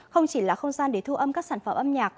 không chỉ là không gian để thu âm các sản phẩm âm nhạc